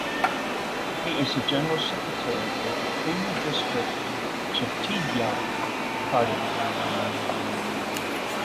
He is the general secretary of Khulna District Jatiya Party.